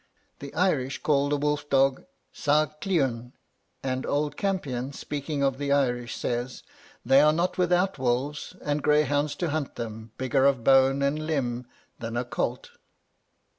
The Irish called the wolf dog Sagh cliun; and old Campion, speaking of the Irish, says, They are not without wolves, and greyhounds to hunt them bigger of bone and limne than a colt."